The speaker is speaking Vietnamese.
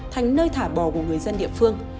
thành nơi thả bò của người dân địa phương